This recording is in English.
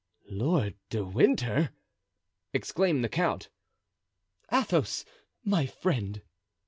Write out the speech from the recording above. "Lord de Winter!" exclaimed the count. "Athos, my friend!"